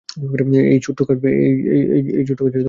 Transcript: এই ছোট্ট কাজে এতো সময় লাগে!